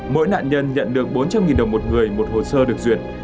mỗi nạn nhân nhận được bốn trăm linh đồng một người một hồ sơ được duyệt